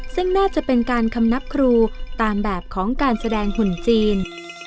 ซึ่งน่าจะเป็นการคำนับครูตามแบบของการแสดงหุ่นจีน